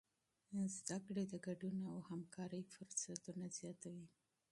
تعلیم د ګډون او همکارۍ فرصتونه زیاتوي.